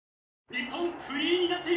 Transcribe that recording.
日本フリーになっている！